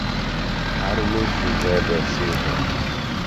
Carlos José da Silva